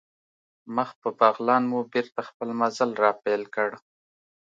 مخ په بغلان مو بېرته خپل مزل را پیل کړ.